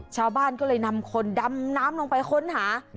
ชาวบ้านก็เลยนำคนดำน้ำลงไปค้นหา